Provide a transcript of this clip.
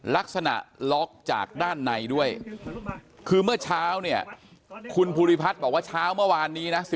ลักษณะล็อกจากด้านในด้วยคือเมื่อเช้าเนี่ยคุณภูริพัฒน์บอกว่าเช้าเมื่อวานนี้นะ